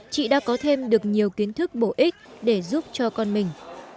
chị đã có thêm được nhiều kiến thức bổ ích để giúp cho con mình